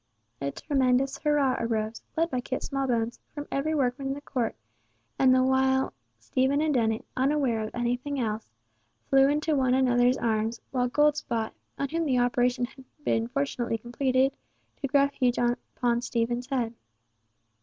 A tremendous hurrah arose, led by Kit Smallbones, from every workman in the court, and the while Stephen and Dennet, unaware of anything else, flew into one another's arms, while Goldspot, on whom the operation had been fortunately completed, took refuge upon Stephen's head.